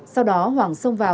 sau đó hoàng xông vào